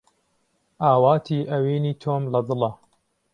ئاواتی ئەوینی تۆم لە دڵە